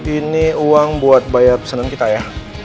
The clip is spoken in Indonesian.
ini uang buat bayar pesanan kita ya